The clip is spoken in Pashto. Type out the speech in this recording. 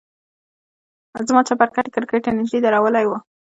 زما چپرکټ يې کړکۍ ته نژدې درولى و.